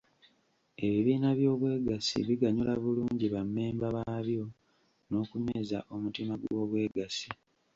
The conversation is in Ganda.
Ebibiina by’obwegassi biganyula bulungi bammemba baabyo n’okunyweza omutima gw’obwegassi.